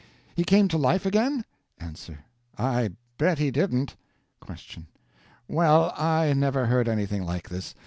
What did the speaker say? He came to life again? A. I bet he didn't. Q. Well, I never heard anything like this.